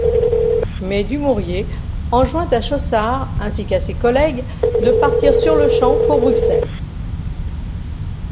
Mais Dumouriez enjoint à Chaussard ainsi qu'à ses collègues de partir sur-le-champ pour Bruxelles.